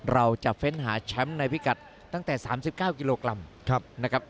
เราจะเฟ้นหาแชมป์ในพิกัดตั้งแต่๓๙กิโลกรัมนะครับ